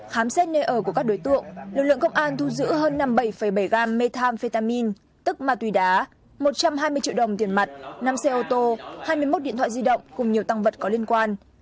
khám xét nơi ở của các đối tượng lực lượng công an thu giữ hơn năm mươi bảy bảy gam methamphetamin tức ma túy đá một trăm hai mươi triệu đồng tiền mặt năm xe ô tô hai mươi một điện thoại di động cùng nhiều tăng vật có liên quan